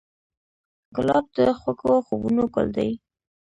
ګلاب د خوږو خوبونو ګل دی.